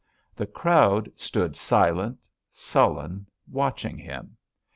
"The crowd stood silent, sullen, watching him.